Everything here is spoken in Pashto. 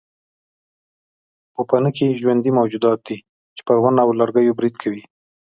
پوپنکي ژوندي موجودات دي چې پر ونو او لرګیو برید کوي.